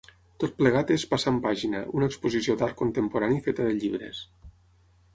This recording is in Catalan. Tot plegat és "Passant Pàgina", una exposició d'art contemporani feta de llibres.